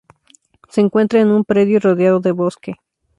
Se encuentra en un predio rodeado de bosque.